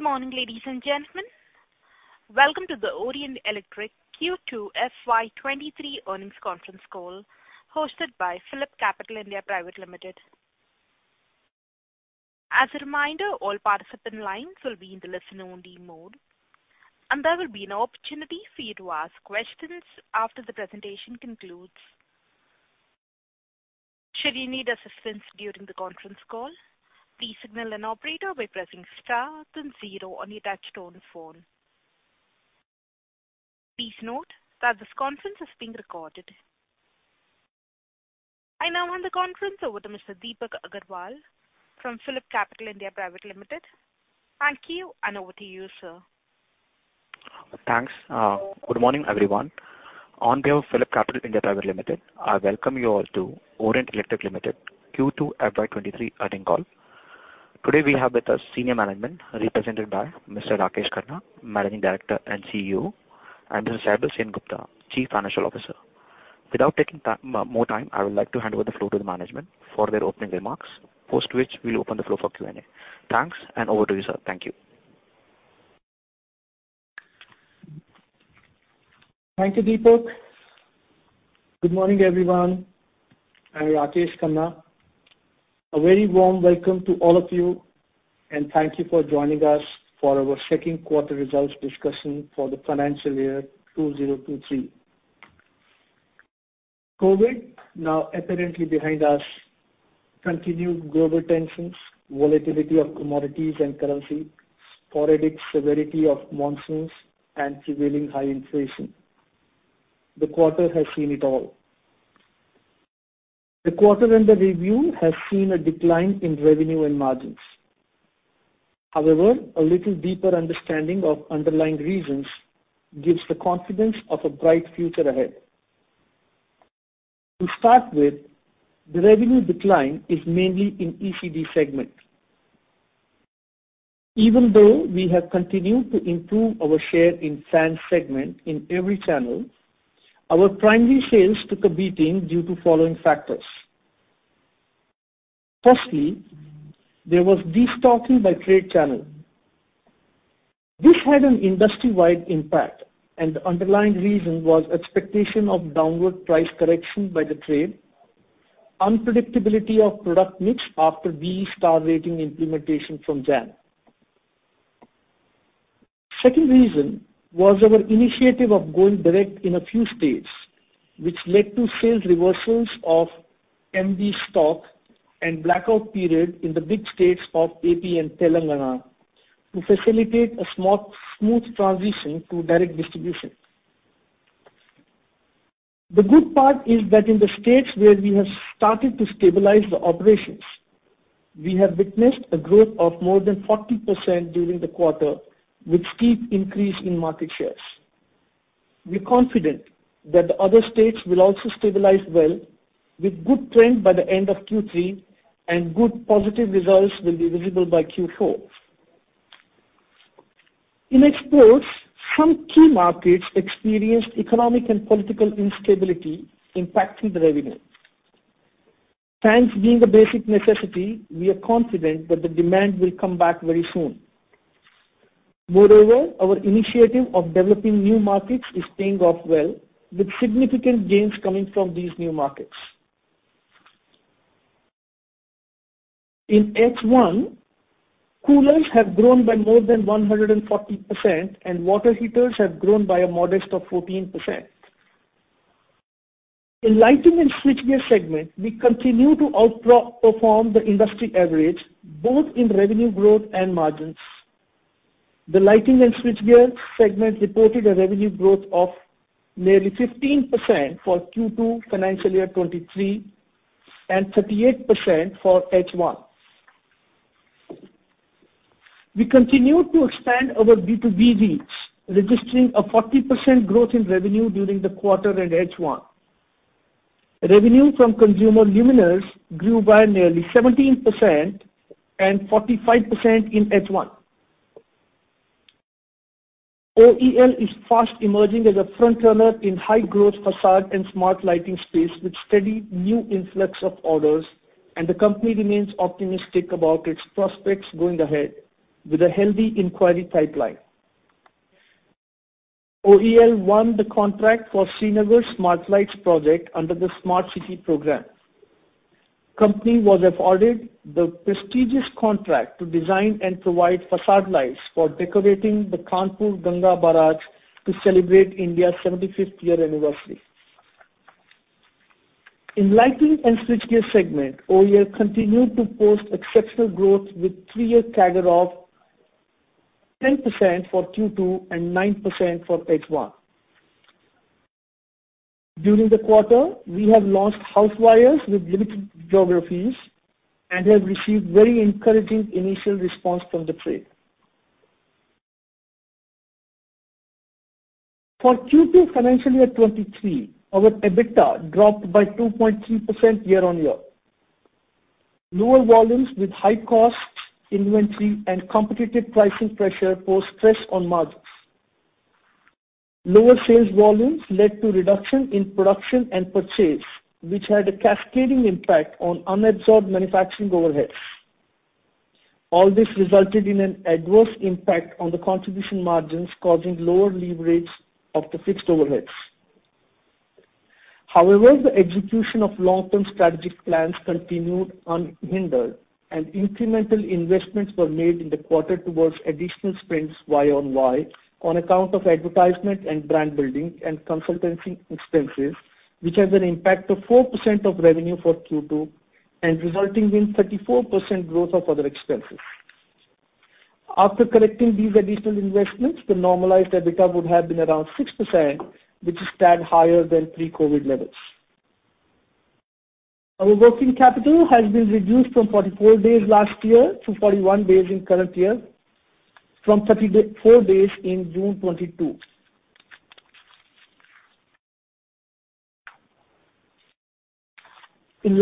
Good morning, ladies and gentlemen. Welcome to the Orient Electric Q2 FY 2023 earnings conference call, hosted by PhillipCapital (India) Pvt Ltd. As a reminder, all participant lines will be in the listen only mode, and there will be an opportunity for you to ask questions after the presentation concludes. Should you need assistance during the conference call, please signal an operator by pressing star then zero on your touchtone phone. Please note that this conference is being recorded. I now hand the conference over to Mr. Deepak Agarwal from PhillipCapital (India) Pvt Ltd. Thank you, and over to you, sir. Thanks. Good morning, everyone. On behalf of PhillipCapital (India) Pvt Ltd, I welcome you all to Orient Electric Limited Q2 FY 2023 earnings call. Today we have with us senior management represented by Mr. Rakesh Khanna, Managing Director and CEO, and Mr. Saibal Sengupta, Chief Financial Officer. Without taking more time, I would like to hand over the floor to the management for their opening remarks, post which we'll open the floor for Q&A. Thanks, and over to you, sir. Thank you. Thank you, Deepak. Good morning, everyone. I'm Rakesh Khanna. A very warm welcome to all of you, and thank you for joining us for our second quarter results discussion for the financial year 2023. COVID, now apparently behind us, continued global tensions, volatility of commodities and currency, sporadic severity of monsoons, and prevailing high inflation. The quarter has seen it all. The quarter under review has seen a decline in revenue and margins. However, a little deeper understanding of underlying reasons gives the confidence of a bright future ahead. To start with, the revenue decline is mainly in ECD segment. Even though we have continued to improve our share in Fans segment in every channel, our primary sales took a beating due to following factors. Firstly, there was destocking by trade channel. This had an industry-wide impact and the underlying reason was expectation of downward price correction by the trade, unpredictability of product mix after BEE Star Rating implementation from January. Second reason was our initiative of going direct in a few states, which led to sales reversals of MD stock and blackout period in the big states of AP and Telangana to facilitate a smooth transition to direct distribution. The good part is that in the states where we have started to stabilize the operations, we have witnessed a growth of more than 40% during the quarter with steep increase in market shares. We are confident that the other states will also stabilize well with good trend by the end of Q3, and good positive results will be visible by Q4. In exports, some key markets experienced economic and political instability impacting the revenue. Fans being a basic necessity, we are confident that the demand will come back very soon. Moreover, our initiative of developing new markets is paying off well with significant gains coming from these new markets. In H1, coolers have grown by more than 140%, and water heaters have grown by a modest 14%. In Lighting and Switchgear segment, we continue to outperform the industry average both in revenue growth and margins. The Lighting and Switchgear segment reported a revenue growth of nearly 15% for Q2 financial year 2023, and 38% for H1. We continue to expand our B2B reach, registering a 40% growth in revenue during the quarter and H1. Revenue from consumer luminaires grew by nearly 17% and 45% in H1. OEL is fast emerging as a frontrunner in high growth facade and smart lighting space with steady new influx of orders, and the company remains optimistic about its prospects going ahead with a healthy inquiry pipeline. OEL won the contract for Srinagar's Smart Lights project under the Smart Cities program. Company was afforded the prestigious contract to design and provide facade lights for decorating the Kanpur Ganga Barrage to celebrate India's 75th year anniversary. In Lighting and Switchgear segment, OEL continued to post exceptional growth with three-year CAGR of 10% for Q2 and 9% for H1. During the quarter, we have launched house wires with limited geographies and have received very encouraging initial response from the trade. For Q2 financial year 2023, our EBITDA dropped by 2.3% year-on-year. Lower volumes with high-cost inventory and competitive pricing pressure put stress on margin. Lower sales volumes led to reduction in production and purchase, which had a cascading impact on unabsorbed manufacturing overheads. All this resulted in an adverse impact on the contribution margins, causing lower leverage of the fixed overheads. However, the execution of long-term strategic plans continued unhindered, and incremental investments were made in the quarter towards additional spends year-on-year on account of advertisement and brand building and consultancy expenses, which has an impact of 4% of revenue for Q2 and resulting in 34% growth of other expenses. After correcting these additional investments, the normalized EBITDA would have been around 6%, which is still higher than pre-COVID levels. Our working capital has been reduced from 44 days last year to 41 days in current year from 34 days in June 2022. At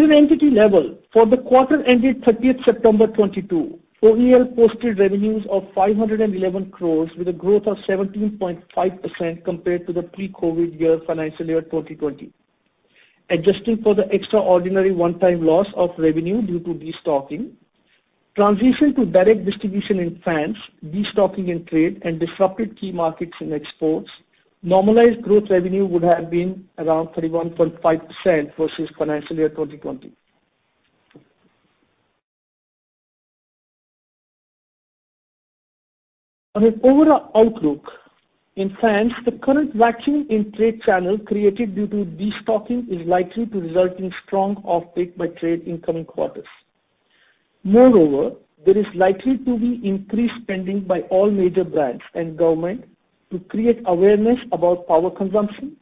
an entity level, for the quarter ended 30th September 2022, OEL posted revenues of 511 crore with a growth of 17.5% compared to the pre-COVID year financial year 2020. Adjusting for the extraordinary one-time loss of revenue due to destocking, transition to direct distribution in Fans, destocking in trade, and disrupted key markets in exports, normalized growth revenue would have been around 31.5% versus financial year 2020. On an overall outlook, in Fans, the current vacuum in trade channel created due to destocking is likely to result in strong offtake by trade in coming quarters. Moreover, there is likely to be increased spending by all major brands and government to create awareness about power consumption,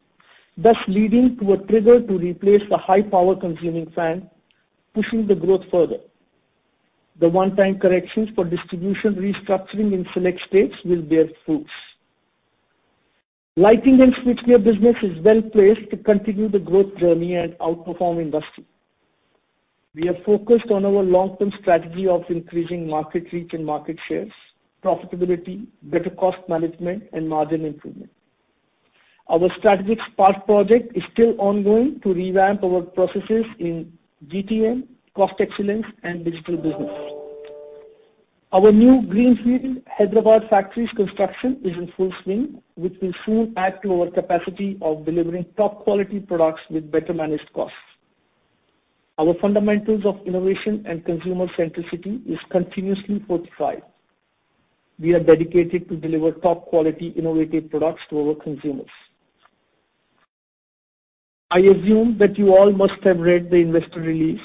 thus leading to a trigger to replace the high power consuming fan, pushing the growth further. The one-time corrections for distribution restructuring in select states will bear fruits. Lighting and Switchgear business is well placed to continue the growth journey and outperform industry. We are focused on our long-term strategy of increasing market reach and market shares, profitability, better cost management and margin improvement. Our strategic Spark project is still ongoing to revamp our processes in GTM, cost excellence and digital business. Our new greenfield Hyderabad factory's construction is in full swing, which will soon add to our capacity of delivering top quality products with better managed costs. Our fundamentals of innovation and consumer centricity is continuously fortified. We are dedicated to deliver top quality innovative products to our consumers. I assume that you all must have read the investor release.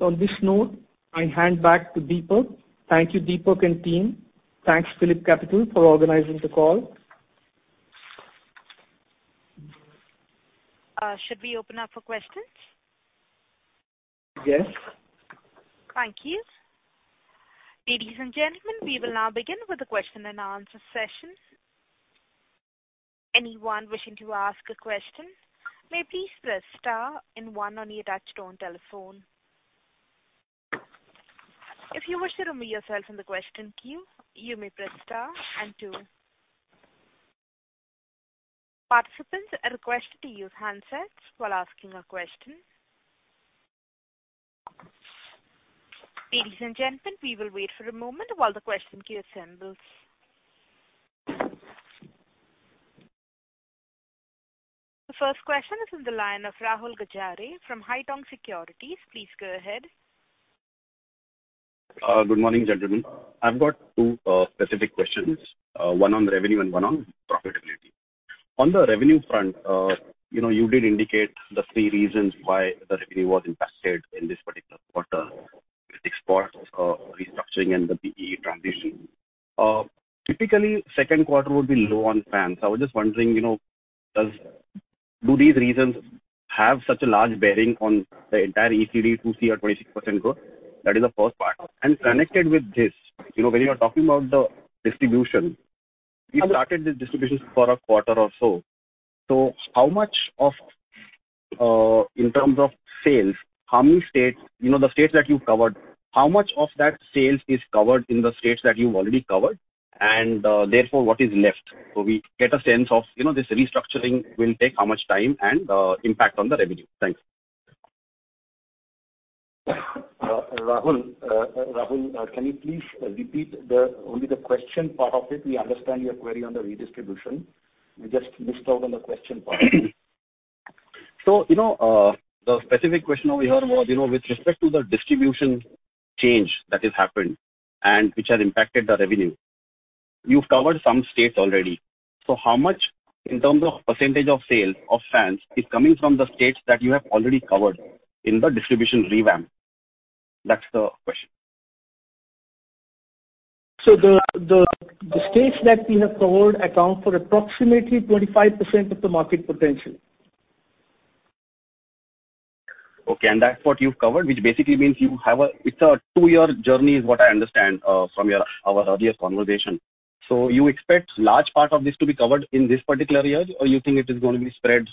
On this note, I hand back to Deepak. Thank you, Deepak and team. Thanks, PhillipCapital, for organizing the call. Should we open up for questions? Yes. Thank you. Ladies and gentlemen, we will now begin with the question and answer session. Anyone wishing to ask a question may please press star and one on your touchtone telephone. If you wish to remove yourself from the question queue, you may press star and two. Participants are requested to use handsets while asking a question. Ladies and gentlemen, we will wait for a moment while the question queue assembles. The first question is on the line of Rahul Gajare from Haitong Securities. Please go ahead. Good morning, gentlemen. I've got two specific questions, one on revenue and one on profitability. On the revenue front, you know, you did indicate the three reasons why the revenue was impacted in this particular quarter with exports, restructuring and the BEE transition. Typically, second quarter would be low on fans. I was just wondering, you know, do these reasons have such a large bearing on the entire ECD to see a 26% growth? That is the first part. Connected with this, you know, when you are talking about the distribution, you started this distribution for a quarter or so. So how much of, in terms of sales, how many states, you know, the states that you've covered, how much of that sales is covered in the states that you've already covered and, therefore, what is left? We get a sense of, you know, this restructuring will take how much time and impact on the revenue? Thanks. Rahul, can you please repeat only the question part of it? We understand your query on the redistribution. We just missed out on the question part. You know, the specific question over here was, you know, with respect to the distribution change that has happened and which has impacted the revenue, you've covered some states already. How much in terms of percentage of sales of fans is coming from the states that you have already covered in the distribution revamp? That's the question. The states that we have covered account for approximately 25% of the market potential. Okay, and that's what you've covered, which basically means it's a two-year journey is what I understand from our earlier conversation. You expect large part of this to be covered in this particular year or you think it is gonna be spread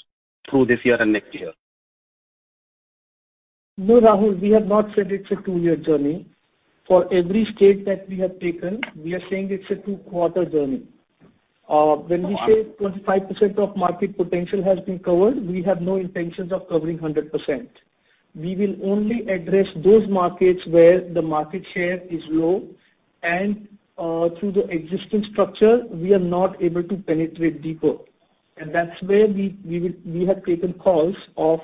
through this year and next year? No, Rahul, we have not said it's a two-year journey. For every state that we have taken, we are saying it's a two-quarter journey. When we say 25% of market potential has been covered, we have no intentions of covering 100%. We will only address those markets where the market share is low and, through the existing structure, we are not able to penetrate deeper. That's where we have taken calls of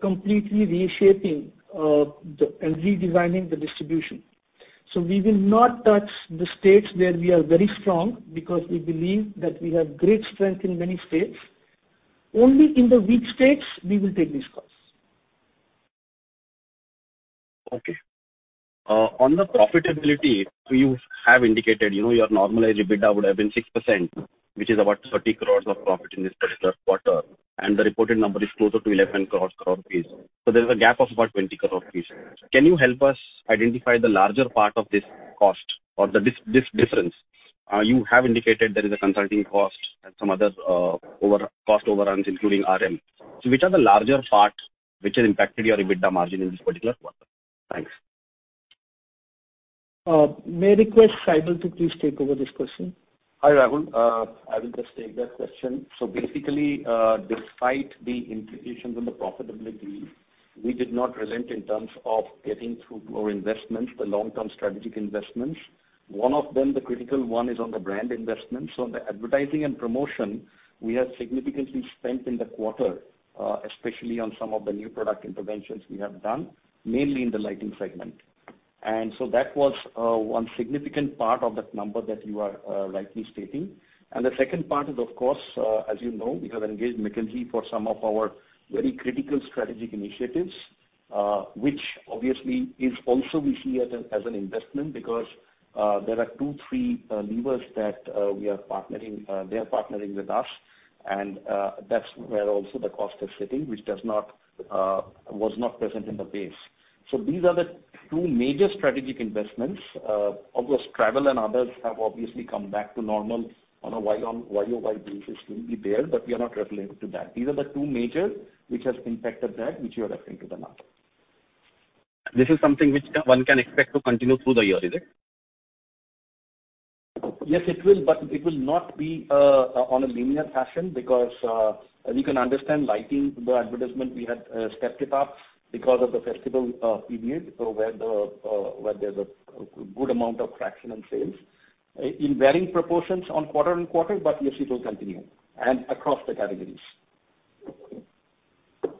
completely reshaping and redesigning the distribution. We will not touch the states where we are very strong because we believe that we have great strength in many states. Only in the weak states we will take this course. Okay. On the profitability, you have indicated, you know, your normalized EBITDA would have been 6%, which is about 30 crore of profit in this particular quarter, and the reported number is closer to 11 crore. There's a gap of about 20 crore rupees. Can you help us identify the larger part of this cost or this difference? You have indicated there is a consulting cost and some other cost overruns, including RM. Which are the larger parts which has impacted your EBITDA margin in this particular quarter? Thanks. May I request Saibal to please take over this question? Hi, Rahul. I will just take that question. Basically, despite the implications on the profitability, we did not restrain in terms of getting through more investments, the long-term strategic investments. One of them, the critical one, is on the brand investment. On the advertising and promotion we have significantly spent in the quarter, especially on some of the new product interventions we have done, mainly in the Lighting segment. That was one significant part of that number that you are rightly stating. The second part is of course, as you know, we have engaged McKinsey for some of our very critical strategic initiatives, which obviously we see as an investment because there are two, three levers that they are partnering with us and that's where also the cost is sitting, which was not present in the base. These are the two major strategic investments. Of course, travel and others have obviously come back to normal on a year-over-year basis will be there, but we are not reflective of that. These are the two major which has impacted that which you are referring to the margin. This is something which one can expect to continue through the year, is it? Yes, it will, but it will not be in a linear fashion because as you can understand, in lighting, the advertisement, we had stepped it up because of the festival period where there's a good amount of traction and sales in varying proportions from quarter to quarter, but yes, it will continue and across the categories.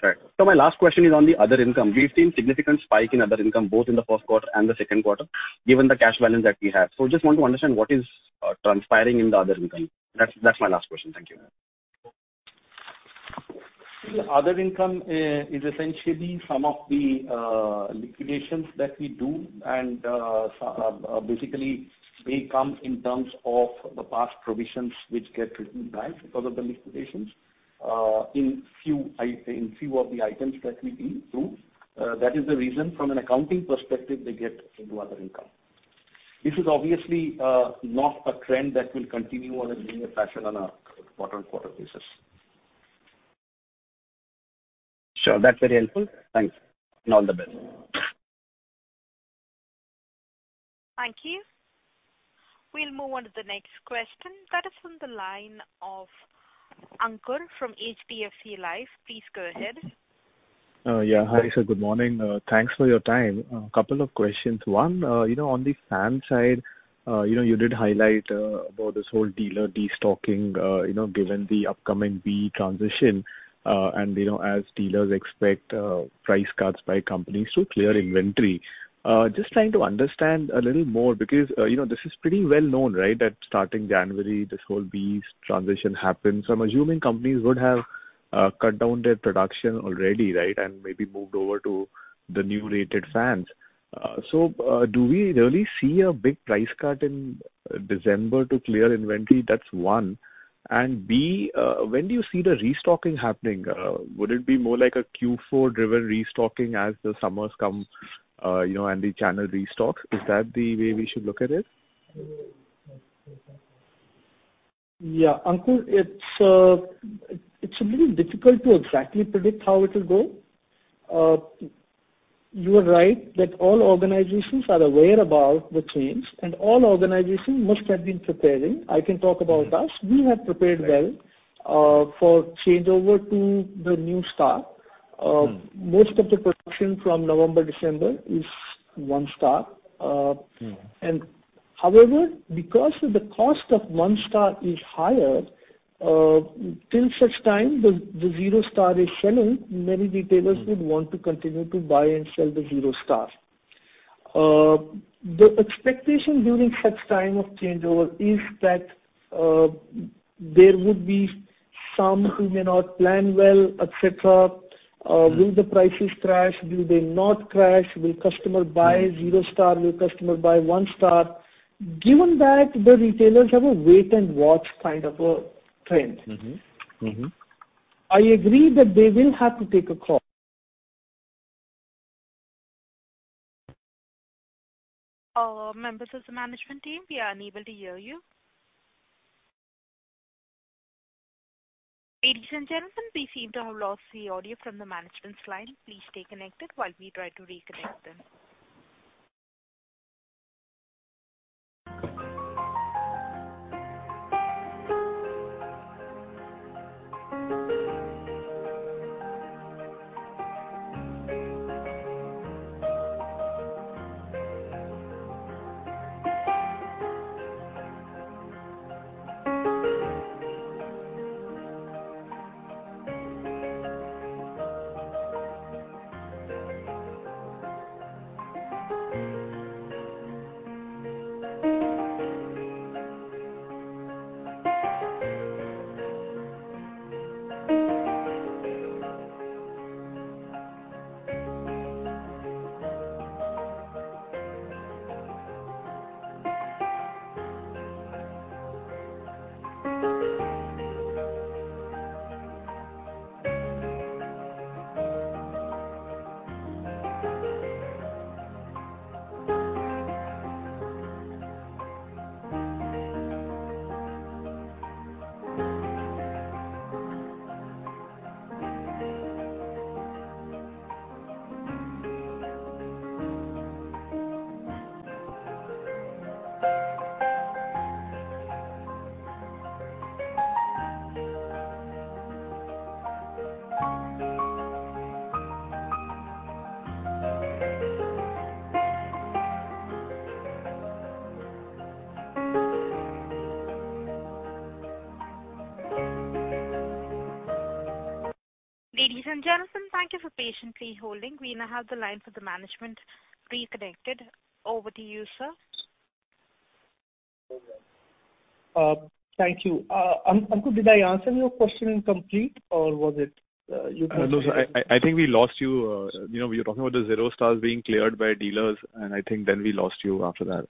Right. My last question is on the other income. We've seen significant spike in other income both in the first quarter and the second quarter, given the cash balance that we have. Just want to understand what is transpiring in the other income. That's my last question. Thank you. The other income is essentially some of the liquidations that we do and so basically pay comes in terms of the past provisions which get written back because of the liquidations in few of the items that we deal through. That is the reason from an accounting perspective they get into other income. This is obviously not a trend that will continue on a linear fashion on a quarter-on-quarter basis. Sure. That's very helpful. Thanks. All the best. Thank you. We'll move on to the next question. That is from the line of Ankur from HDFC Life. Please go ahead. Yeah. Hi, sir. Good morning. Thanks for your time. A couple of questions. One, you know, on the fan side, you know, you did highlight about this whole dealer destocking, you know, given the upcoming BEE transition, and, you know, as dealers expect price cuts by companies to clear inventory. Just trying to understand a little more because, you know, this is pretty well known, right? That starting January, this whole BEE transition happens. I'm assuming companies would have cut down their production already, right? And maybe moved over to the new rated fans. So, do we really see a big price cut in December to clear inventory? That's one. B, when do you see the restocking happening? Would it be more like a Q4-driven restocking as the summers come, you know, and the channel restocks? Is that the way we should look at it? Yeah. Ankur, it's a little difficult to exactly predict how it will go. You are right that all organizations are aware about the change, and all organizations must have been preparing. I can talk about us. We have prepared well for changeover to the new star. Most of the production from November, December is one star. And however, because the cost of one star is higher, till such time the zero star is selling, many retailers would want to continue to buy and sell the zero star. The expectation during such time of changeover is that there would be some who may not plan well, etc. Will the prices crash? Will they not crash? Will customer buy zero star? Will customer buy one star? Given that the retailers have a wait and watch kind of a trend. Mm-hmm. Mm-hmm. I agree that they will have to take a call. Members of the management team, we are unable to hear you. Ladies and gentlemen, we seem to have lost the audio from the management's line. Please stay connected while we try to reconnect them. Ladies and gentlemen, thank you for patiently holding. We now have the line for the management reconnected. Over to you, sir. Thank you. Ankur, did I answer your question in complete, or was it? No, sir, I think we lost you know, you were talking about the zero stars being cleared by dealers, and I think then we lost you after that.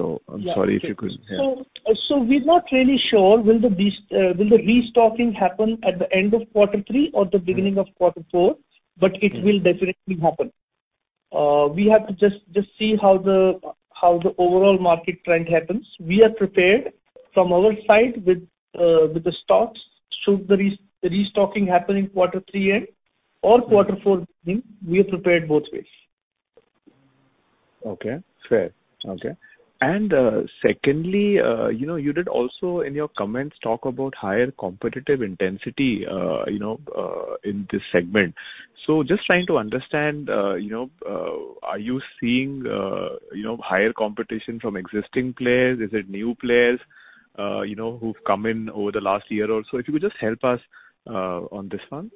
I'm sorry if you could, yeah. We're not really sure will the restocking happen at the end of quarter three or the beginning of quarter four. Mm-hmm. It will definitely happen. We have to just see how the overall market trend happens. We are prepared from our side with the stocks should the restocking happen in quarter three end or quarter four beginning. We are prepared both ways. Okay. Fair. Okay. Secondly, you know, you did also in your comments talk about higher competitive intensity, you know, in this segment. Just trying to understand, you know, are you seeing, you know, higher competition from existing players? Is it new players, you know, who've come in over the last year or so? If you could just help us, on this one.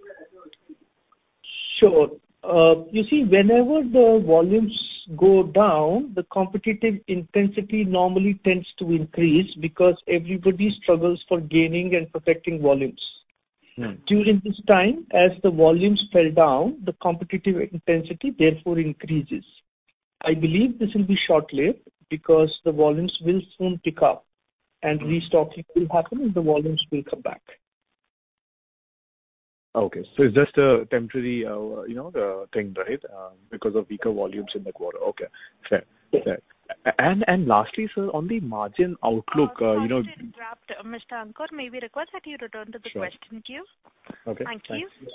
Sure. You see, whenever the volumes go down, the competitive intensity normally tends to increase because everybody struggles for gaining and protecting volumes. Mm-hmm. During this time, as the volumes fell down, the competitive intensity therefore increases. I believe this will be short-lived because the volumes will soon pick up, and restocking will happen, and the volumes will come back. Okay. It's just a temporary, you know, thing, right? Because of weaker volumes in the quarter. Okay. Fair. Yes. Lastly, sir, on the margin outlook, you know. Question dropped, Mr. Ankur. May we request that you return to the question queue? Sure. Okay. Thank you. Thanks.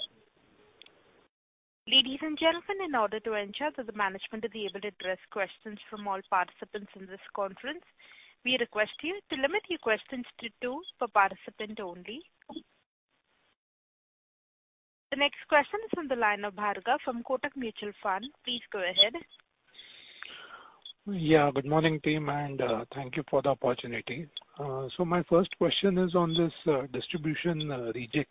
Ladies and gentlemen, in order to ensure that the management is able to address questions from all participants in this conference, we request you to limit your questions to two per participant only. The next question is from the line of Bhargav from Kotak Mutual Fund. Please go ahead. Yeah. Good morning, team, and thank you for the opportunity. My first question is on this distribution rejig.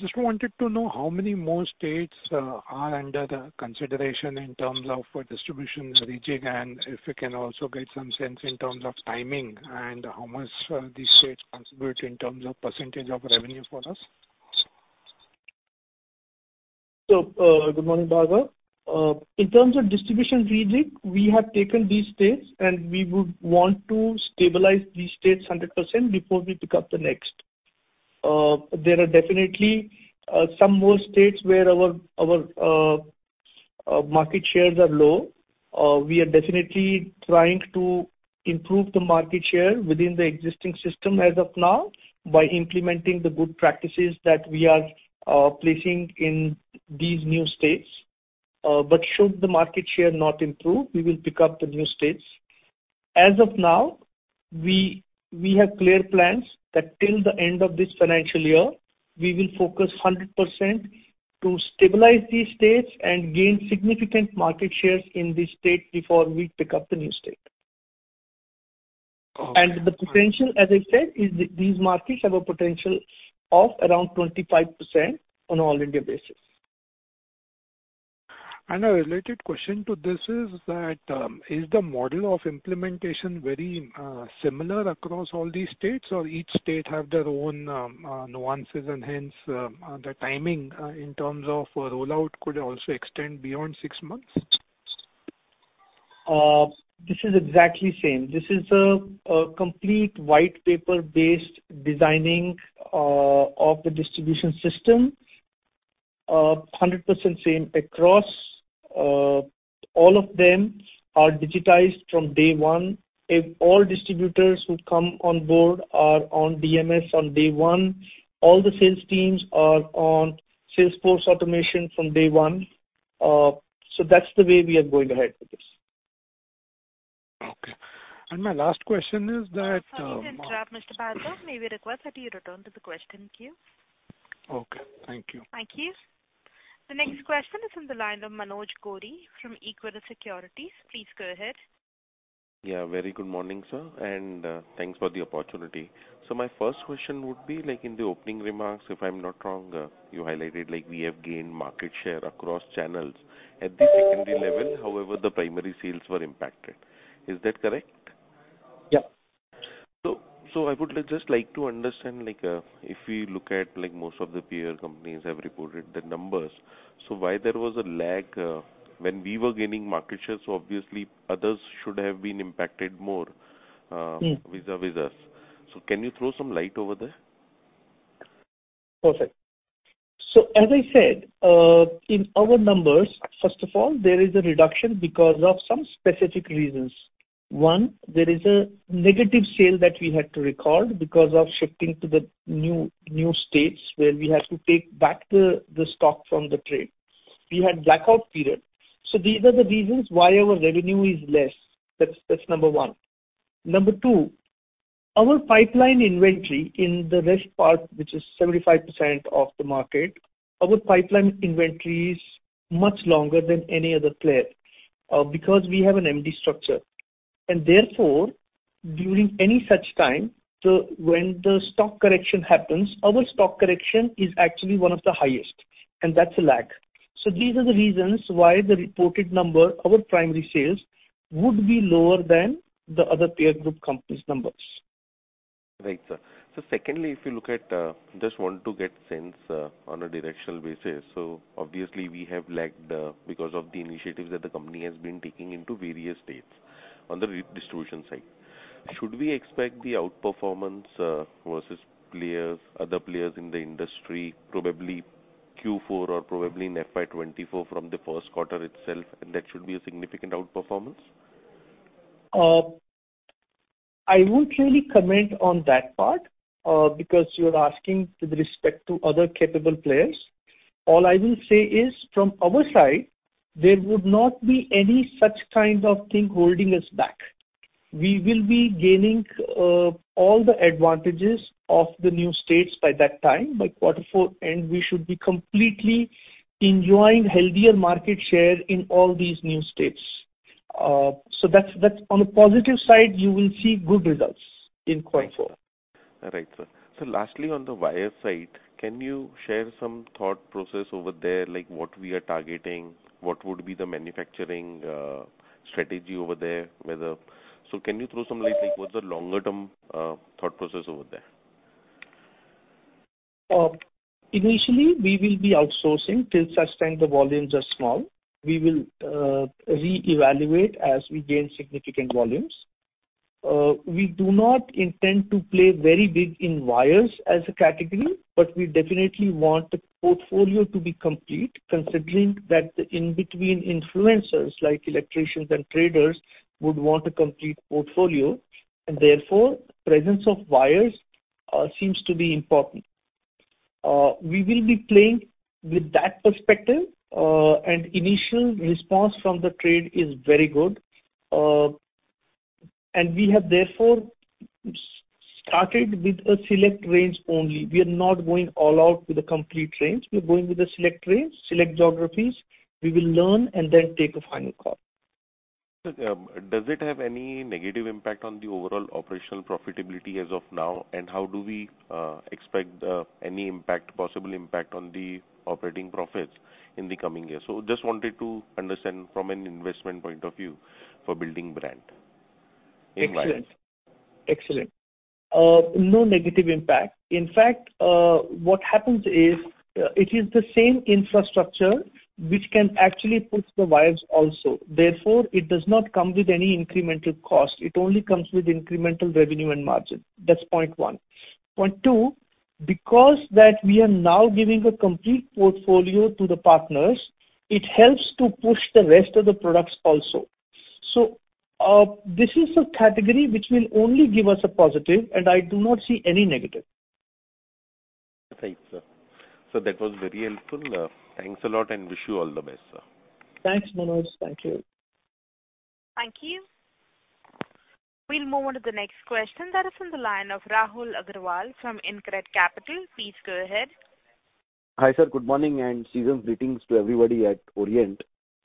Just wanted to know how many more states are under the consideration in terms of distribution rejig, and if we can also get some sense in terms of timing and how much these states contribute in terms of percentage of revenue for us. Good morning, Bhargav. In terms of distribution rejig, we have taken these states, and we would want to stabilize these states 100% before we pick up the next. There are definitely some more states where our market shares are low. We are definitely trying to improve the market share within the existing system as of now by implementing the good practices that we are placing in these new states. Should the market share not improve, we will pick up the new states. As of now, we have clear plans that till the end of this financial year, we will focus 100% to stabilize these states and gain significant market shares in these states before we pick up the new state. Okay. The potential, as I said, is these markets have a potential of around 25% on all India basis. A related question to this is that, is the model of implementation very similar across all these states or each state have their own nuances and hence the timing in terms of rollout could also extend beyond six months? This is exactly same. This is a complete white paper based design of the distribution system. 100% same across. All of them are digitized from day one. If all distributors who come on board are on DMS on day one, all the sales teams are on Salesforce automation from day one. That's the way we are going ahead with this. Okay. My last question is that. Sorry to interrupt, Mr. Bhargav. May we request that you return to the question queue? Okay, thank you. Thank you. The next question is on the line of Manoj Gori from Equirus Securities. Please go ahead. Yeah, very good morning, sir. Thanks for the opportunity. My first question would be like in the opening remarks, if I'm not wrong, you highlighted like we have gained market share across channels. At the secondary level, however, the primary sales were impacted. Is that correct? Yeah. I would just like to understand, like, if we look at like most of the peer companies have reported the numbers, so why there was a lag when we were gaining market share, so obviously others should have been impacted more. Mm. Vis-à-vis us. Can you throw some light over there? Perfect. As I said, in our numbers, first of all, there is a reduction because of some specific reasons. One, there is a negative sale that we had to record because of shifting to the new states where we had to take back the stock from the trade. We had blackout period. These are the reasons why our revenue is less. That's number one. Number two, our pipeline inventory in the rest part, which is 75% of the market, our pipeline inventory is much longer than any other player, because we have an MD structure. Therefore, during any such time, when the stock correction happens, our stock correction is actually one of the highest, and that's a lag. These are the reasons why the reported number, our primary sales would be lower than the other peer group companies' numbers. Right, sir. Secondly, if you look at, just want to get sense on a directional basis. Obviously we have lagged because of the initiatives that the company has been taking into various states on the redistribution side. Should we expect the outperformance versus other players in the industry, probably Q4 or probably in FY 2024 from the first quarter itself, and that should be a significant outperformance? I won't really comment on that part, because you're asking with respect to other capable players. All I will say is from our side, there would not be any such kind of thing holding us back. We will be gaining all the advantages of the new states by that time, by quarter four, and we should be completely enjoying healthier market share in all these new states. So that's on a positive side, you will see good results in quarter four. Right, sir. Lastly, on the wire side, can you share some thought process over there, like what we are targeting? What would be the manufacturing strategy over there? Can you throw some light like what's the longer term thought process over there? Initially we will be outsourcing till such time the volumes are small. We will reevaluate as we gain significant volumes. We do not intend to play very big in wires as a category, but we definitely want the portfolio to be complete, considering that the in-between influencers like electricians and traders would want a complete portfolio, and therefore presence of wires seems to be important. We will be playing with that perspective, and initial response from the trade is very good. We have therefore started with a select range only. We are not going all out with the complete range. We're going with a select range, select geographies. We will learn and then take a final call. Does it have any negative impact on the overall operational profitability as of now? How do we expect any impact, possible impact on the operating profits in the coming years? Just wanted to understand from an investment point of view for building brand in wires. Excellent. No negative impact. In fact, what happens is, it is the same infrastructure which can actually push the wires also. Therefore, it does not come with any incremental cost. It only comes with incremental revenue and margin. That's point one. Point two, because that we are now giving a complete portfolio to the partners, it helps to push the rest of the products also. This is a category which will only give us a positive, and I do not see any negative. Thanks, sir. That was very helpful. Thanks a lot, and wish you all the best, sir. Thanks, Manoj. Thank you. Thank you. We'll move on to the next question that is on the line of Rahul Agarwal from InCred Capital. Please go ahead. Hi, sir. Good morning, and season's greetings to everybody at Orient.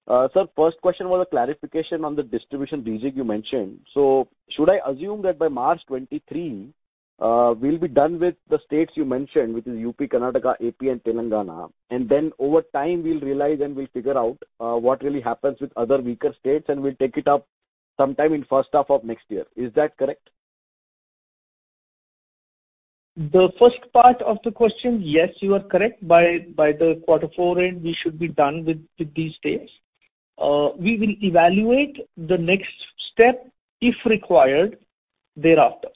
Sir, first question was a clarification on the distribution rejig you mentioned. Should I assume that by March 2023, we'll be done with the states you mentioned, which is UP, Karnataka, AP and Telangana, and then over time we'll realize and we'll figure out what really happens with other weaker states, and we'll take it up sometime in first half of next year. Is that correct? The first part of the question, yes, you are correct. By the quarter four end, we should be done with these states. We will evaluate the next step if required thereafter.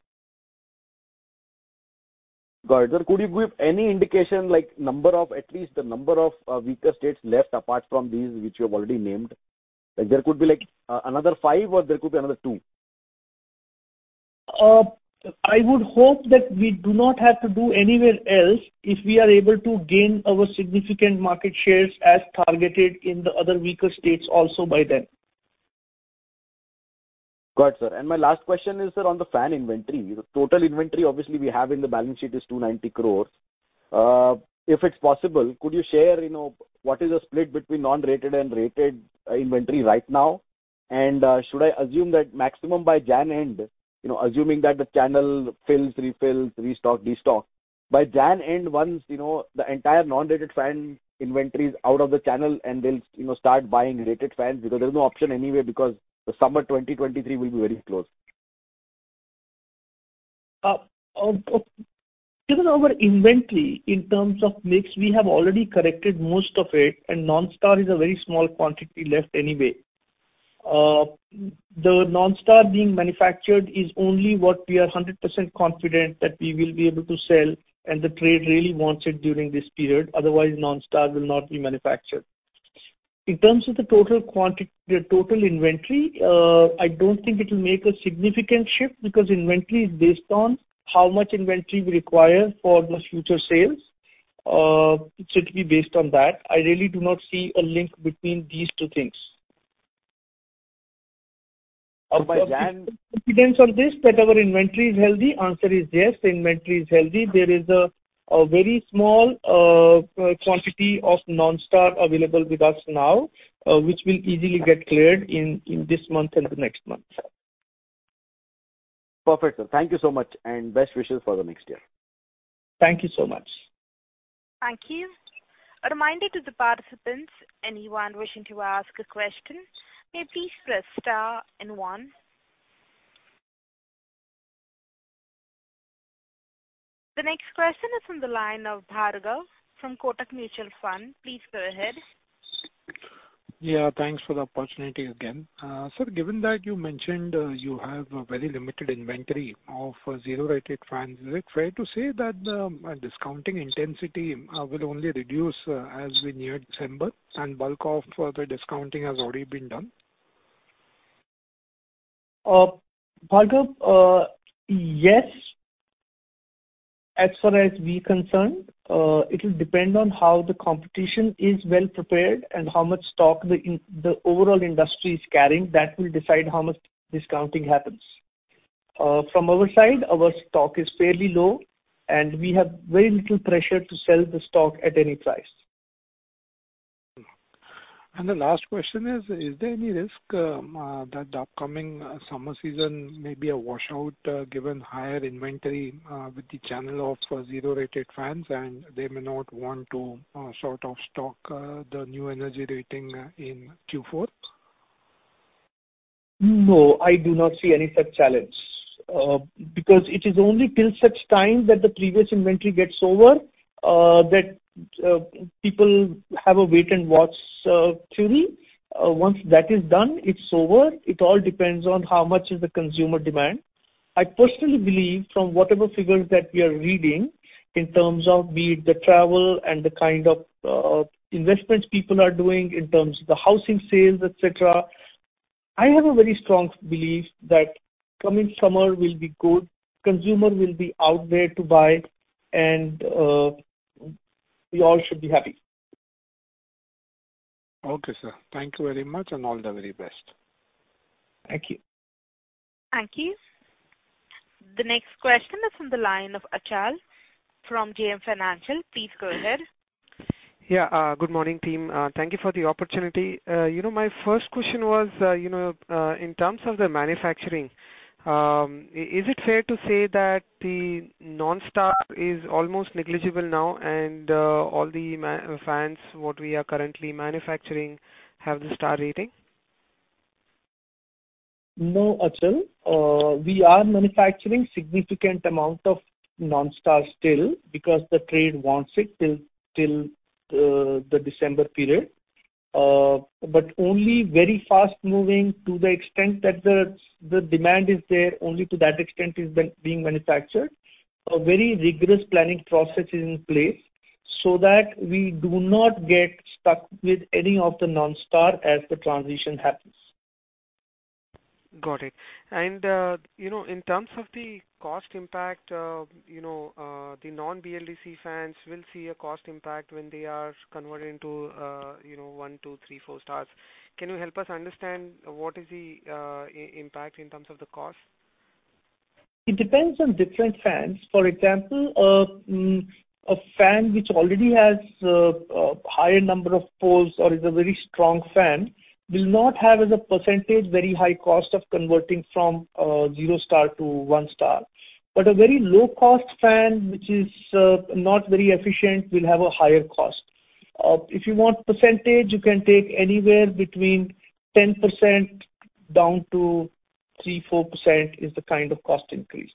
Got it. Could you give any indication like at least the number of weaker states left apart from these which you have already named? Like, there could be like another five or there could be another two? I would hope that we do not have to do anywhere else if we are able to gain our significant market shares as targeted in the other weaker states also by then. Got it, sir. My last question is, sir, on the fan inventory. The total inventory obviously we have in the balance sheet is 290 crore. If it's possible, could you share, you know, what is the split between non-rated and rated inventory right now? Should I assume that maximum by January end, you know, assuming that the channel fills, refills, restock, destock. By January end, once, you know, the entire non-rated fan inventory is out of the channel and they'll, you know, start buying rated fans because there's no option anyway because the summer 2023 will be very close? Given our inventory in terms of mix, we have already corrected most of it and non-star is a very small quantity left anyway. The non-star being manufactured is only what we are 100% confident that we will be able to sell and the trade really wants it during this period. Otherwise, non-star will not be manufactured. In terms of the total inventory, I don't think it will make a significant shift because inventory is based on how much inventory we require for the future sales. It should be based on that. I really do not see a link between these two things. Uh, by Jan. On your query that our inventory is healthy, answer is yes, the inventory is healthy. There is a very small quantity of non-star available with us now, which will easily get cleared in this month and the next month. Perfect, sir. Thank you so much and best wishes for the next year. Thank you so much. Thank you. A reminder to the participants, anyone wishing to ask a question, may please press star and one. The next question is on the line of Bhargav from Kotak Mutual Fund. Please go ahead. Yeah, thanks for the opportunity again. Sir, given that you mentioned, you have a very limited inventory of zero-rated fans, is it fair to say that the discounting intensity will only reduce as we near December and bulk of further discounting has already been done? Bhargav, yes, as far as we concerned, it will depend on how the competition is well prepared and how much stock the overall industry is carrying. That will decide how much discounting happens. From our side, our stock is fairly low, and we have very little pressure to sell the stock at any price. The last question is there any risk that the upcoming summer season may be a washout, given higher inventory with the channel of zero-rated fans, and they may not want to sort of stock the new energy rating in Q4? No, I do not see any such challenge, because it is only till such time that the previous inventory gets over, people have a wait-and-watch theory. Once that is done, it's over. It all depends on how much is the consumer demand. I personally believe from whatever figures that we are reading in terms of be it the travel and the kind of investments people are doing in terms of the housing sales, et cetera, I have a very strong belief that coming summer will be good. Consumer will be out there to buy and we all should be happy. Okay, sir. Thank you very much and all the very best. Thank you. Thank you. The next question is on the line of Achal from JM Financial. Please go ahead. Yeah. Good morning, team. Thank you for the opportunity. You know, my first question was, you know, in terms of the manufacturing, is it fair to say that the non-star is almost negligible now and all the fans what we are currently manufacturing have the star rating? No, Achal. We are manufacturing significant amount of non-star still because the trade wants it till the December period. But only very fast moving to the extent that the demand is there, only to that extent is being manufactured. A very rigorous planning process is in place so that we do not get stuck with any of the non-star as the transition happens. Got it. You know, in terms of the cost impact, you know, the non-BLDC fans will see a cost impact when they are converted into one, two, three, four stars. Can you help us understand what is the impact in terms of the cost? It depends on different fans. For example, a fan which already has a higher number of poles or is a very strong fan will not have as a percentage very high cost of converting from zero star to one star. A very low cost fan which is not very efficient will have a higher cost. If you want percentage, you can take anywhere between 10% down to 3%-4% is the kind of cost increase.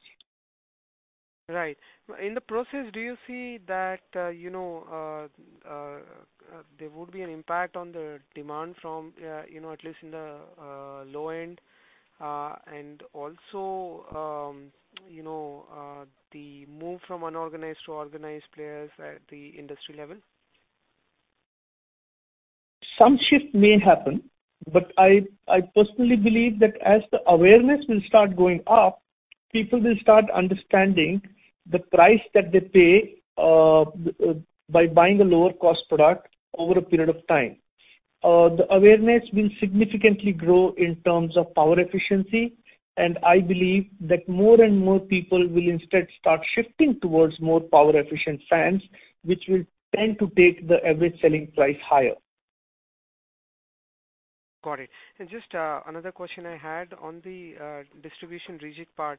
Right. In the process, do you see that, you know, there would be an impact on the demand from, you know, at least in the, low end, and also, you know, the move from unorganized to organized players at the industry level? Some shift may happen, but I personally believe that as the awareness will start going up, people will start understanding the price that they pay by buying a lower cost product over a period of time. The awareness will significantly grow in terms of power efficiency, and I believe that more and more people will instead start shifting towards more power efficient fans, which will tend to take the average selling price higher. Got it. Just another question I had on the distribution rejig part.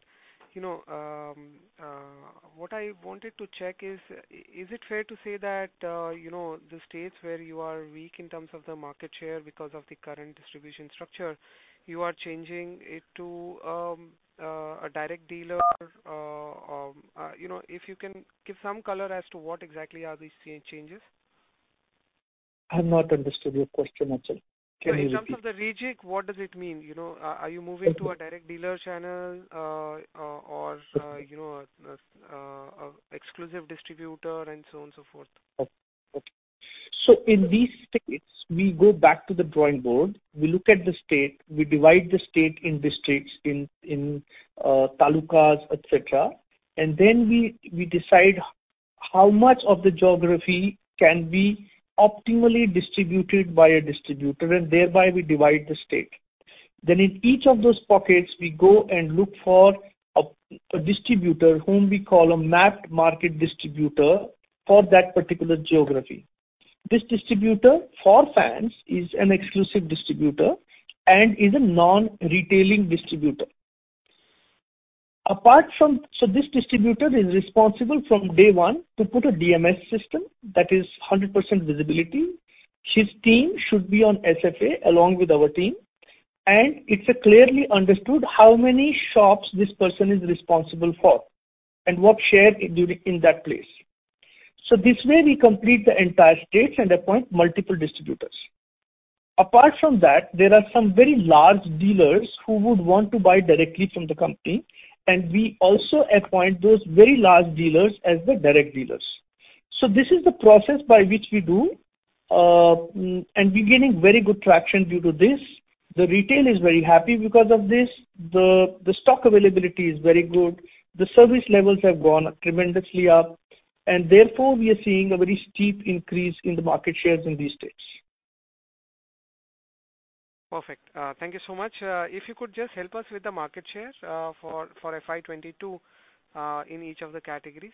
What I wanted to check is it fair to say that the states where you are weak in terms of the market share because of the current distribution structure, you are changing it to a direct dealer? If you can give some color as to what exactly are these changes. I've not understood your question, Achal. Can you repeat? In terms of the rejig, what does it mean? You know, are you moving to a direct dealer channel, or, you know, exclusive distributor and so on so forth? Okay. In these states, we go back to the drawing board. We look at the state. We divide the state in districts, in talukas, et cetera, and then we decide how much of the geography can be optimally distributed by a distributor, and thereby we divide the state. In each of those pockets, we go and look for a distributor whom we call a mapped market distributor for that particular geography. This distributor for fans is an exclusive distributor and is a non-retailing distributor. This distributor is responsible from day one to put a DMS system that is 100% visibility. His team should be on SFA along with our team, and it's clearly understood how many shops this person is responsible for and what share it do in that place. This way, we cover the entire states and appoint multiple distributors. Apart from that, there are some very large dealers who would want to buy directly from the company, and we also appoint those very large dealers as the direct dealers. This is the process by which we do and we're getting very good traction due to this. The retail is very happy because of this. The stock availability is very good. The service levels have gone tremendously up, and therefore we are seeing a very steep increase in the market shares in these states. Perfect. Thank you so much. If you could just help us with the market shares for FY 2022 in each of the categories.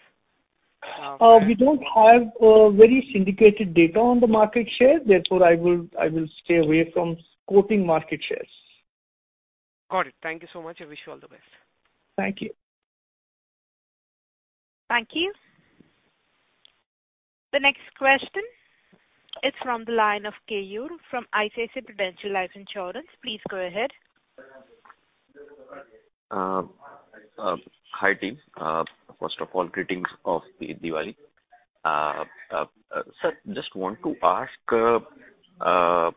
We don't have very syndicated data on the market share. Therefore, I will stay away from quoting market shares. Got it. Thank you so much, and wish you all the best. Thank you. Thank you. The next question is from the line of Keyur from ICICI Prudential Life Insurance. Please go ahead. Hi team. First of all, greetings of the Diwali. Sir, just want to ask,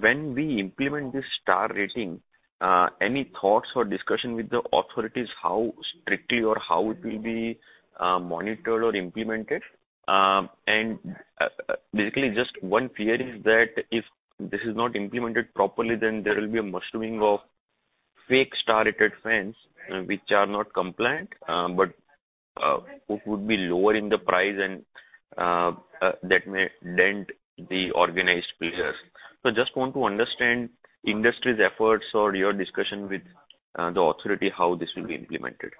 when we implement this star rating, any thoughts or discussion with the authorities how strictly or how it will be monitored or implemented? Basically, just one fear is that if this is not implemented properly, then there will be a mushrooming of fake star-rated fans which are not compliant, but would be lower in the price and that may dent the organized players. Just want to understand industry's efforts or your discussion with the authority, how this will be implemented.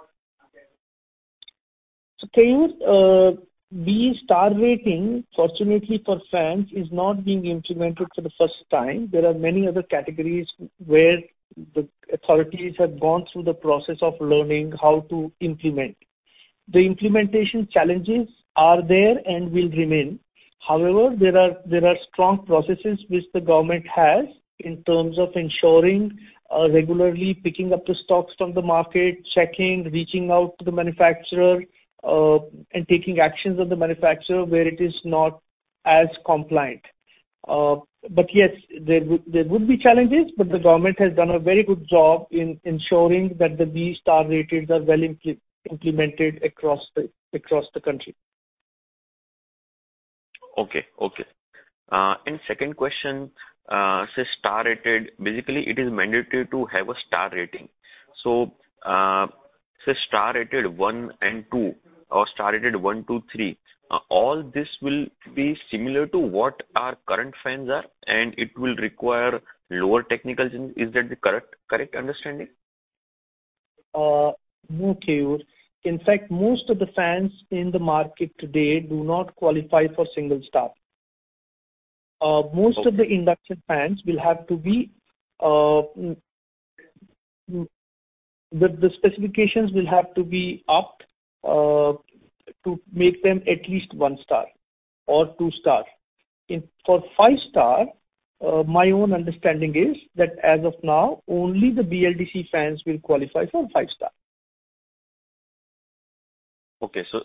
Keyur, these star rating, fortunately for fans, is not being implemented for the first time. There are many other categories where the authorities have gone through the process of learning how to implement. The implementation challenges are there and will remain. However, there are strong processes which the government has in terms of ensuring regularly picking up the stocks from the market, checking, reaching out to the manufacturer, and taking actions of the manufacturer where it is not as compliant. But yes, there would be challenges, but the government has done a very good job in ensuring that these star ratings are well implemented across the country. Second question, so star rated. Basically, it is mandatory to have a star rating. Star rated one and two or star rated one to three, all this will be similar to what our current fans are, and it will require lower technicals in. Is that the correct understanding? No, Keyur. In fact, most of the fans in the market today do not qualify for single star. Most of the induction fans will have to be, the specifications will have to be upped, to make them at least one star or two star. For five star, my own understanding is that as of now, only the BLDC fans will qualify for five star.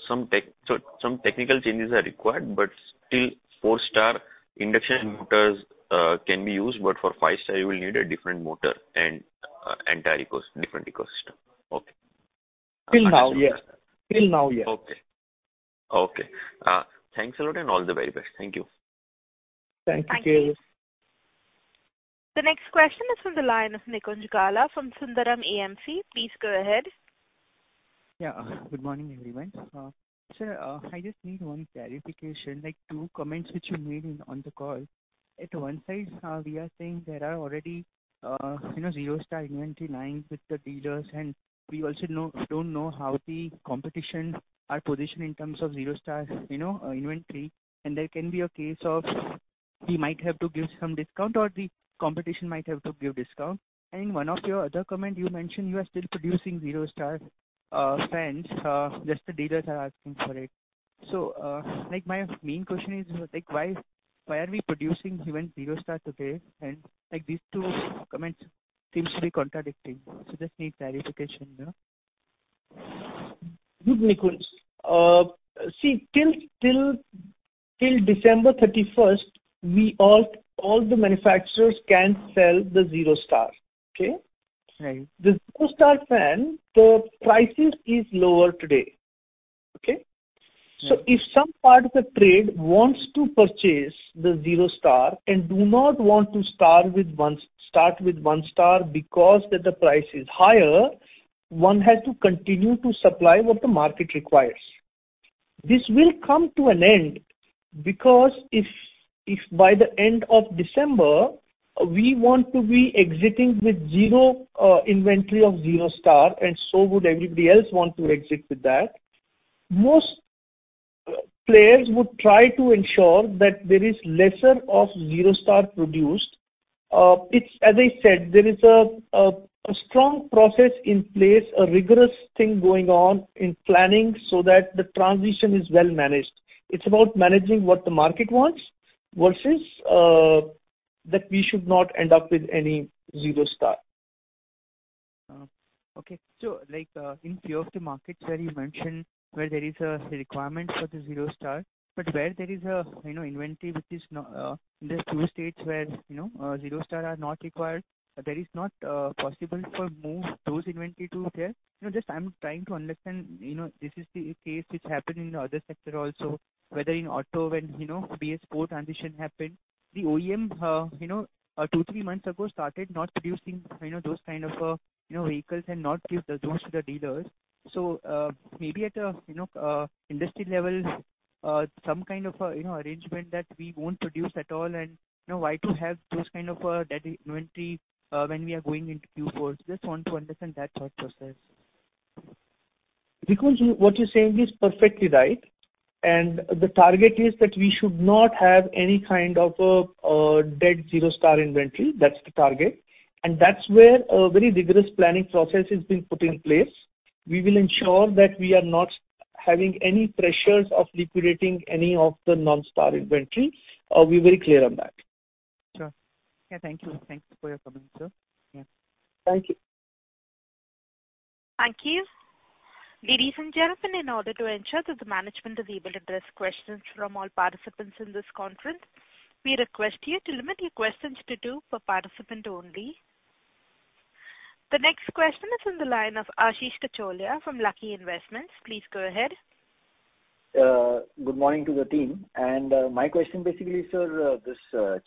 Some technical changes are required, but still four star induction motors can be used, but for five star you will need a different motor and entire different ecosystem? Till now, yes. Okay, thanks a lot and all the very best. Thank you. Thank you. Thank you. The next question is from the line of Nikunj Gala from Sundaram AMC. Please go ahead. Yeah. Good morning, everyone. Sir, I just need one clarification, like two comments which you made on the call. On one side, we are saying there are already, you know, zero star inventory lines with the dealers, and we also don't know how the competition are positioned in terms of zero star, you know, inventory. There can be a case where we might have to give some discount or the competition might have to give discount. In one of your other comment you mentioned you are still producing zero star fans, just the dealers are asking for it. Like my main question is like, why are we producing even zero star today? Like these two comments seems to be contradicting. Just need clarification, you know. Look, Nikunj, see till December 31st, we, all the manufacturers can sell the zero star. Okay? Right. The zero star fan, the price is lower today. Okay? Yes. If some part of the trade wants to purchase the zero-star and do not want to start with one-star because the price is higher, one has to continue to supply what the market requires. This will come to an end because if by the end of December we want to be exiting with zero inventory of zero-star, and so would everybody else want to exit with that, most players would try to ensure that there is less of zero-star produced. It's as I said, there is a strong process in place, a rigorous thing going on in planning so that the transition is well managed. It's about managing what the market wants versus that we should not end up with any zero-star. Okay. Like, in few of the markets where you mentioned where there is a requirement for the zero star, but where there is a, you know, inventory, there are two states where, you know, zero star are not required. There is not possible to move those inventory to there. You know, just I'm trying to understand, you know, this is the case which happened in the other sector also, whether in auto when, you know, BS4 transition happened. The OEM, you know, two, three months ago started not producing, you know, those kind of, you know, vehicles and not give those to the dealers. Maybe at a, you know, industry level, some kind of, you know, arrangement that we won't produce at all and, you know, why to have those kind of, dead inventory, when we are going into Q4. Just want to understand that thought process. Because you, what you're saying is perfectly right, and the target is that we should not have any kind of a dead zero star inventory. That's the target. And that's where a very rigorous planning process has been put in place. We will ensure that we are not having any pressures of liquidating any of the non-star inventory. We're very clear on that. Sure. Yeah. Thank you. Thanks for your comments, sir. Yeah. Thank you. Thank you. Ladies and gentlemen, in order to ensure that the management is able to address questions from all participants in this conference, we request you to limit your questions to two per participant only. The next question is on the line of Ashish Kacholia from Lucky Investment. Please go ahead. Good morning to the team. My question basically, sir, this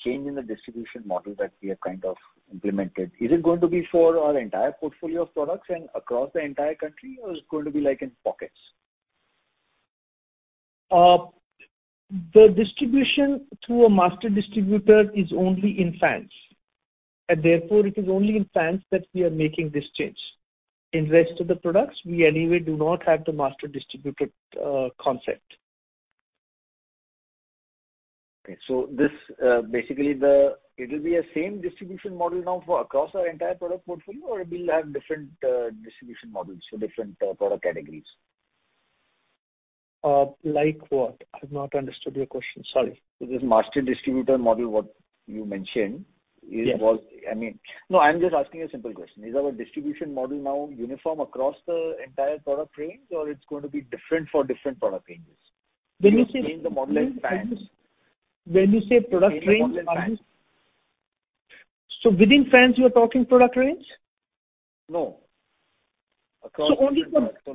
change in the distribution model that we have kind of implemented, is it going to be for our entire portfolio of products and across the entire country, or it's going to be like in pockets? The distribution through a master distributor is only in fans, and therefore it is only in fans that we are making this change. In the rest of the products, we anyway do not have the master distributor concept. Okay. This, basically, it will be the same distribution model now across our entire product portfolio or it will have different distribution models for different product categories? Like what? I've not understood your question. Sorry. This master distributor model, what you mentioned. Yes. No, I'm just asking a simple question. Is our distribution model now uniform across the entire product range, or it's going to be different for different product ranges? When you say. You've changed the model in fans. When you say product range, are you? Changed the model in fans. Within fans you're talking product range? No. Across different products. Only for.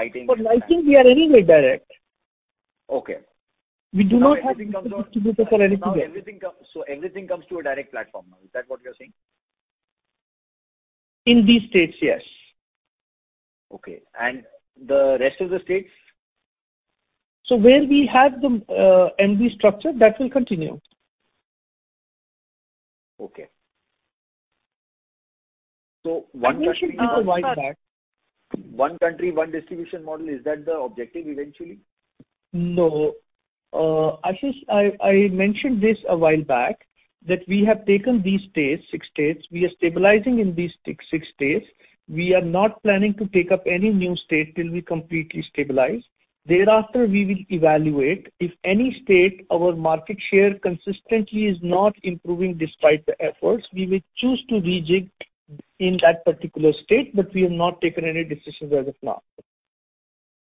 Lighting. For lighting we are anyway direct. Okay. We do not have distributors for anything else. Now everything comes to a direct platform now. Is that what you're saying? In these states, yes. Okay. The rest of the states? Where we have the MD structure, that will continue. Okay. One question. We should be providing that. One country, one distribution model. Is that the objective eventually? No, Ashish, I mentioned this a while back that we have taken these states, six states. We are stabilizing in these six states. We are not planning to take up any new state till we completely stabilize. Thereafter, we will evaluate. If any state our market share consistently is not improving despite the efforts, we will choose to rejig in that particular state, but we have not taken any decisions as of now.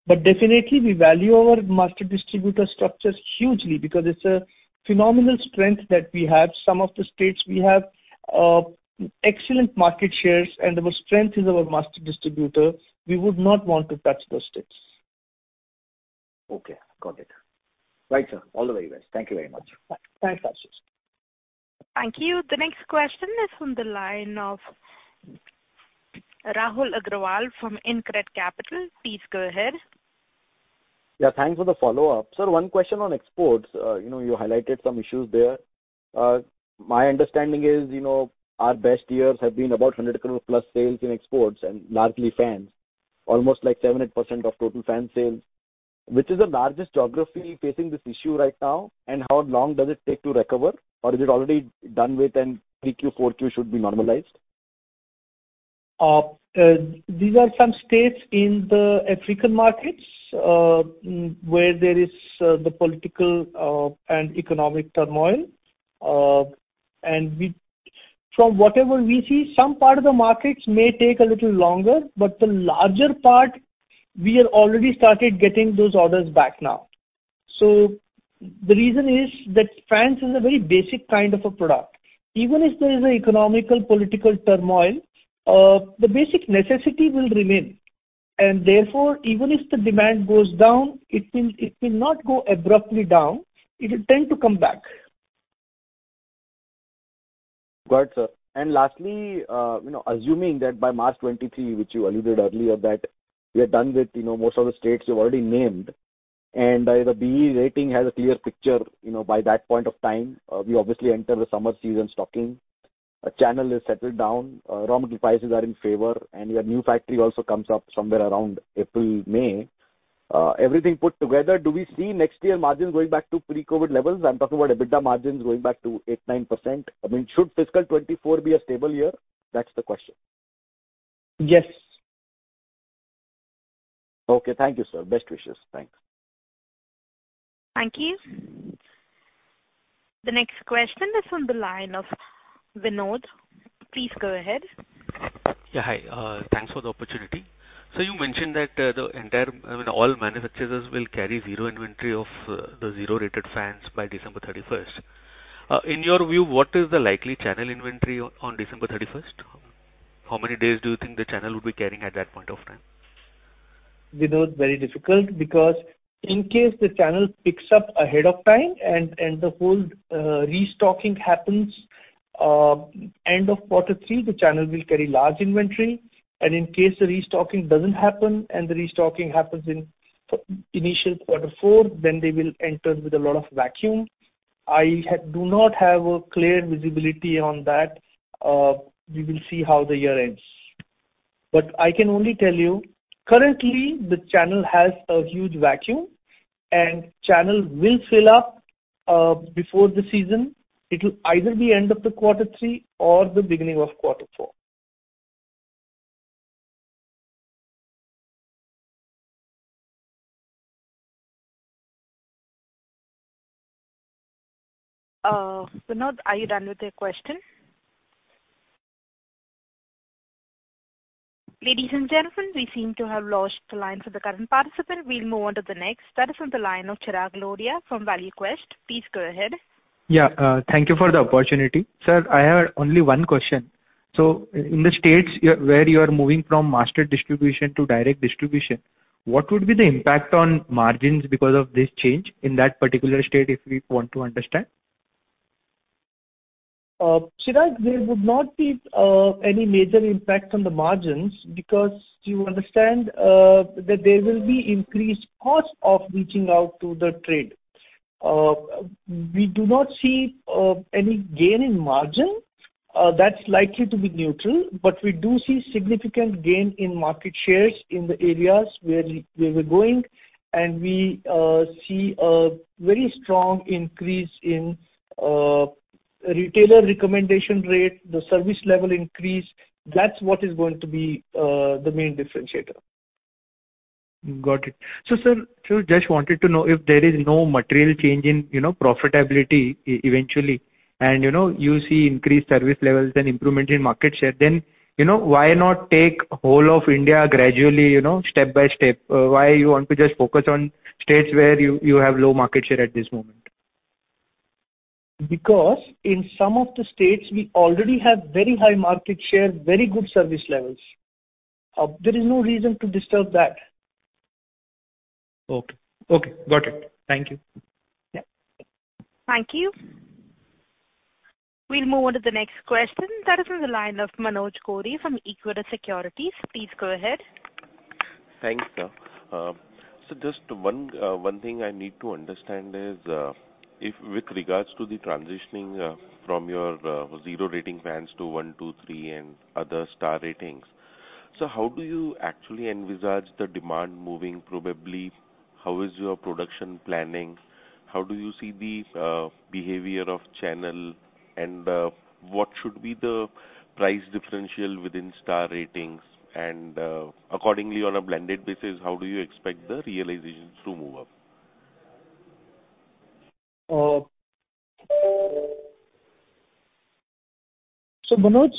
Definitely we value our master distributor structures hugely because it's a phenomenal strength that we have. Some of the states we have excellent market shares and our strength is our master distributor. We would not want to touch those states. Okay, got it. Right, sir. All the very best. Thank you very much. Bye. Thanks, Ashish. Thank you. The next question is from the line of Rahul Agarwal from InCred Capital. Please go ahead. Yeah, thanks for the follow-up. Sir, one question on exports. You know, you highlighted some issues there. My understanding is, you know, our best years have been about 100 crore plus sales in exports and largely fans, almost like 7%-8% of total fan sales. Which is the largest geography facing this issue right now and how long does it take to recover? Or is it already done with and Q3, Q4 should be normalized? These are some states in the African markets where there is the political and economic turmoil. From whatever we see, some part of the markets may take a little longer, but the larger part we have already started getting those orders back now. The reason is that fans is a very basic kind of a product. Even if there is an economic and political turmoil, the basic necessity will remain. Therefore, even if the demand goes down, it will not go abruptly down, it will tend to come back. Got it, sir. Lastly, you know, assuming that by March 2023, which you alluded earlier that we are done with, you know, most of the states you've already named, and either BEE rating has a clear picture, you know, by that point of time, we obviously enter the summer season stocking. Channel is settled down. Raw material prices are in favor. Your new factory also comes up somewhere around April, May. Everything put together, do we see next year margins going back to pre-COVID levels? I'm talking about EBITDA margins going back to 8%-9%. I mean, should fiscal 2024 be a stable year? That's the question. Yes. Okay. Thank you, sir. Best wishes. Thanks. Thank you. The next question is on the line of Vinod. Please go ahead. Yeah, hi. Thanks for the opportunity. You mentioned that, I mean, all manufacturers will carry zero inventory of the zero-rated fans by December 31st. In your view, what is the likely channel inventory on December 31st? How many days do you think the channel will be carrying at that point of time? Vinod, very difficult because in case the channel picks up ahead of time and the whole restocking happens end of quarter three, the channel will carry large inventory. In case the restocking doesn't happen and the restocking happens in initial quarter four, then they will enter with a lot of vacuum. I do not have a clear visibility on that. We will see how the year ends. I can only tell you currently the channel has a huge vacuum and channel will fill up before the season. It'll either be end of the quarter three or the beginning of quarter four. Vinod, are you done with your question? Ladies and gentlemen, we seem to have lost the line for the current participant. We'll move on to the next. That is on the line of Chirag Lodaya from ValueQuest. Please go ahead. Yeah, thank you for the opportunity. Sir, I have only one question. In the states where you are moving from master distribution to direct distribution, what would be the impact on margins because of this change in that particular state, if we want to understand? Chirag, there would not be any major impact on the margins because you understand that there will be increased cost of reaching out to the trade. We do not see any gain in margin. That's likely to be neutral, but we do see significant gain in market shares in the areas where we're going, and we see a very strong increase in retailer recommendation rate, the service level increase. That's what is going to be the main differentiator. Got it. Sir, so just wanted to know if there is no material change in, you know, profitability eventually and, you know, you see increased service levels and improvement in market share, then, you know, why not take whole of India gradually, you know, step by step? Why you want to just focus on states where you have low market share at this moment? Because in some of the states we already have very high market share, very good service levels. There is no reason to disturb that. Okay. Okay, got it. Thank you. Yeah. Thank you. We'll move on to the next question. That is on the line of Manoj Gori from Equirus Securities. Please go ahead. Thanks, sir. Just one thing I need to understand is with regards to the transitioning from your zero rating fans to one, two, three and other star ratings. How do you actually envisage the demand moving probably? How is your production planning? How do you see the behavior of channel? And what should be the price differential within star ratings? And accordingly on a blended basis, how do you expect the realizations to move up? Manoj,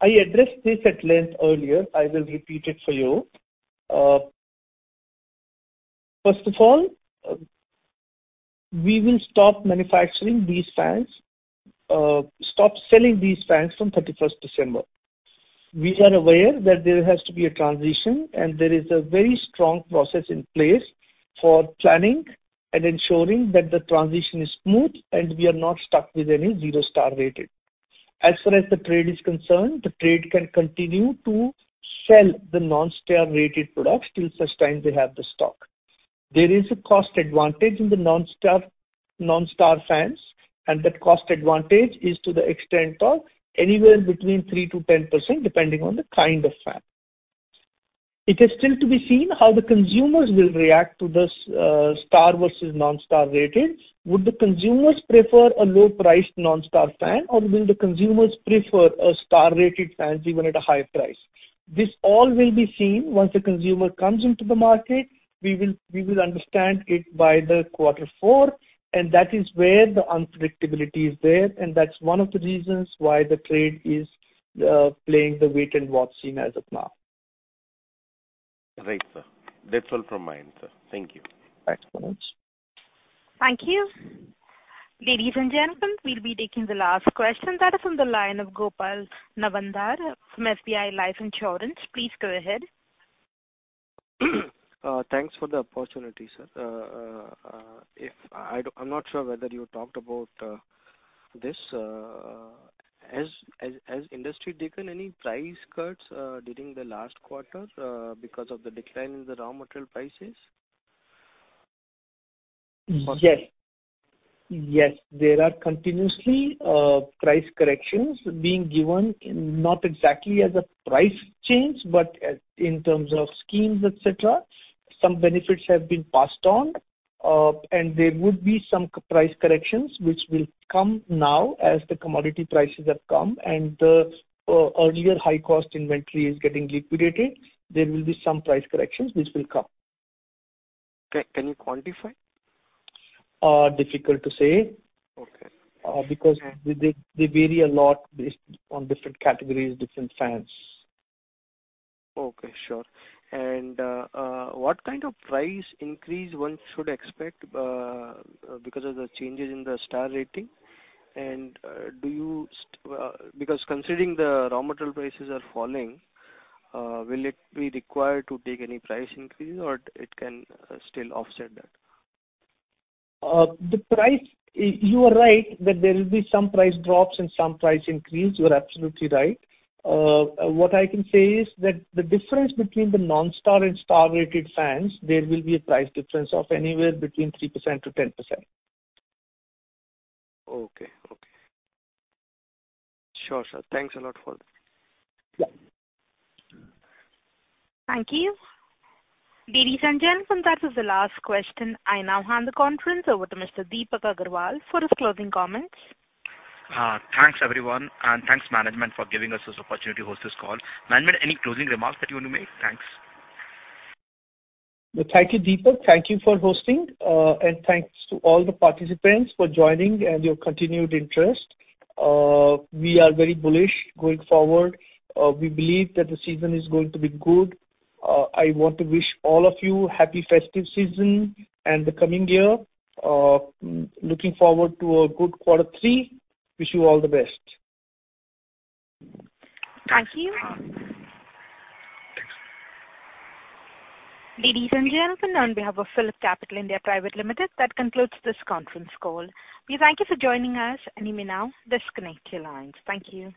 I addressed this at length earlier. I will repeat it for you. First of all, we will stop manufacturing these fans, stop selling these fans from December 31st. We are aware that there has to be a transition, and there is a very strong process in place for planning and ensuring that the transition is smooth and we are not stuck with any zero-star rated. As far as the trade is concerned, the trade can continue to sell the non-star-rated products till such time they have the stock. There is a cost advantage in the non-star fans, and that cost advantage is to the extent of anywhere between 3%-10%, depending on the kind of fan. It is still to be seen how the consumers will react to this, star versus non-star ratings. Would the consumers prefer a low price non-star fan, or will the consumers prefer a star rated fans even at a higher price? This all will be seen once the consumer comes into the market. We will understand it by the quarter four, and that is where the unpredictability is there, and that's one of the reasons why the trade is playing the wait and watch scene as of now. Great, sir. That's all from my end, sir. Thank you. Thanks, Manoj. Thank you. Ladies and gentlemen, we'll be taking the last question. That is on the line of Gopal Nawandhar from SBI Life Insurance. Please go ahead. Thanks for the opportunity, sir. I don't, I'm not sure whether you talked about this. Has industry taken any price cuts during the last quarter because of the decline in the raw material prices? Yes. Yes. There are continuously price corrections being given, not exactly as a price change, but as in terms of schemes, et cetera. Some benefits have been passed on, and there would be some price corrections which will come now as the commodity prices have come and the earlier high cost inventory is getting liquidated. There will be some price corrections which will come. Can you quantify? Difficult to say. Okay. Because they vary a lot based on different categories, different fans. Okay. Sure. What kind of price increase one should expect because of the changes in the star rating? Do you, because considering the raw material prices are falling, will it be required to take any price increase or it can still offset that? The price. You are right that there will be some price drops and some price increase. You are absolutely right. What I can say is that the difference between the non-star and star rated fans, there will be a price difference of anywhere between 3%-10%. Okay. Sure, sir. Thanks a lot for that. Yeah. Thank you. Ladies and gentlemen, that is the last question. I now hand the conference over to Mr. Deepak Agarwal for his closing comments. Thanks, everyone, and thanks management for giving us this opportunity to host this call. Management, any closing remarks that you want to make? Thanks. Thank you, Deepak. Thank you for hosting. Thanks to all the participants for joining and your continued interest. We are very bullish going forward. We believe that the season is going to be good. I want to wish all of you happy festive season and the coming year. Looking forward to a good quarter three. Wish you all the best. Thank you. Thanks. Ladies and gentlemen, on behalf of PhillipCapital (India) Pvt Ltd, that concludes this conference call. We thank you for joining us, and you may now disconnect your lines. Thank you.